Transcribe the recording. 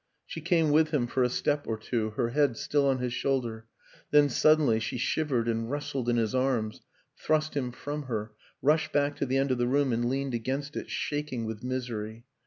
She came with him for a step or two, her head still on his shoulder; then, suddenly, she shivered and wrestled in his arms, thrust him from her, rushed back to the end of the room and leaned against it, shaking with misery.